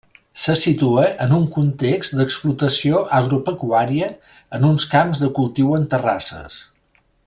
Se situa en un context d'explotació agropecuària, en uns camps de cultiu en terrasses.